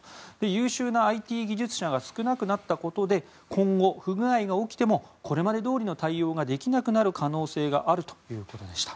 優秀なＩＴ技術者が少なくなったことで今後、不具合が起きてもこれまでどおりの対応ができなくなる可能性があるということでした。